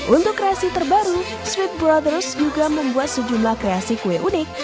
untuk kreasi terbaru sweet brothers juga membuat sejumlah kreasi kue unik